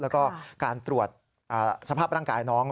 แล้วก็การตรวจสภาพร่างกายน้อง